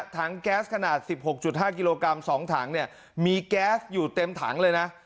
ถังแก๊สขนาด๑๖๕กิโลกรัม๒ถังเนี่ยมีแก๊สอยู่เต็มถังเลยนะ